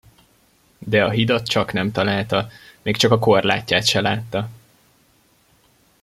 De a hidat csak nem találta, még csak a korlátját se látta.